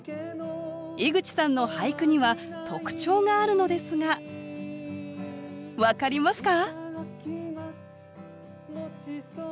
井口さんの俳句には特徴があるのですが分かりますか？